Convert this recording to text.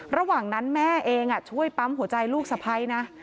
ระหว่างนั้นแม่เองช่วยปั๊มหัวใจลูกสะพ้ายนะ